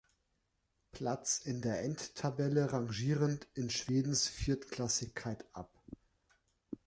Platz in der Endtabelle rangierend in Schwedens Viertklassigkeit ab.